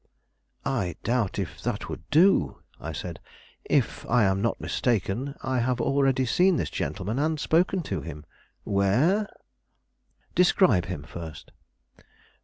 "I doubt if that would do," I said. "If I am not mistaken, I have already seen this gentleman, and spoken to him." "Where?" "Describe him first."